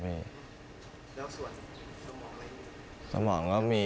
แล้วส่วนสมองอะไรอีก